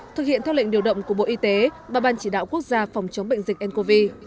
thực hiện theo lệnh điều động của bộ y tế và ban chỉ đạo quốc gia phòng chống bệnh dịch ncov